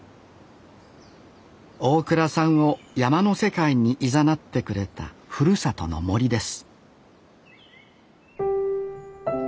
大蔵さんを山の世界にいざなってくれたふるさとの森です